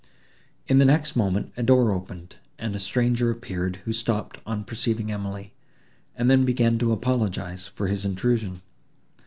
In the next moment, a door opened, and a stranger appeared, who stopped on perceiving Emily, and then began to apologise for his intrusion.